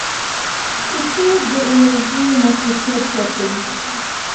سپورت د انرژۍ مصرف زیاتوي.